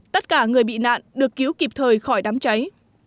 tất cả người bị nạn được cứu kịp thời khỏi đám cháy